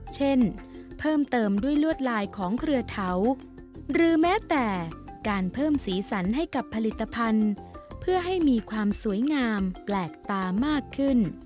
เช่นเพิ่มเติมด้วยลวดลายของเครือเถาหรือแม้แต่การเพิ่มสีสันให้กับผลิตภัณฑ์เพื่อให้มีความสวยงามแปลกตามากขึ้น